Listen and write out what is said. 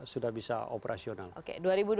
sudah bisa operasional oke dua ribu dua puluh dua